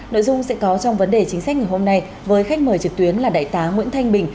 nội dung sẽ có trong vấn đề chính sách ngày hôm nay với khách mời trực tuyến là đại tá nguyễn thanh bình